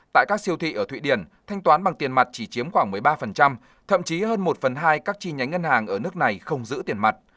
tại các siêu thị ở thụy điển thanh toán bằng tiền mặt chỉ chiếm khoảng một mươi ba thậm chí hơn một phần hai các chi nhánh ngân hàng ở nước này không giữ tiền mặt